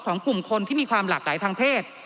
กลุ่มคนที่มีความหลากหลายทางเพศ